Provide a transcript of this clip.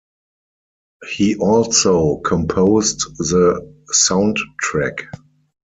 He also composed the soundtrack.